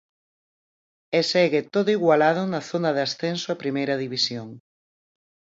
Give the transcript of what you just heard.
E segue todo igualado na zona de ascenso a Primeira División.